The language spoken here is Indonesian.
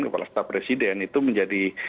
kepala staf presiden itu menjadi